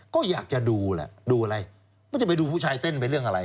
ก็อยากจะดูแหละดูอะไรมันจะไปดูผู้ชายเต้นไปเรื่องอะไร